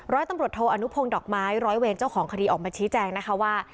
ร้อยตำรวจโทอนุพงศ์ดอกไม้ร้อยเวรเจ้าของคดีออกมาชี้แจงนะคะว่า